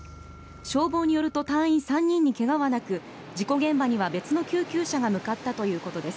消防によると隊員３人にケガはなく事故現場には別の救急車が向かったということです。